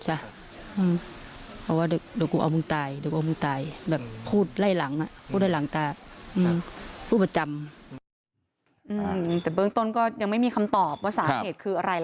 เหรอวะเดี๋ยวผมเอาตาย